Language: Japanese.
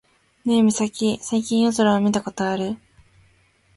ねえミサキ、最近夜空を見たことある？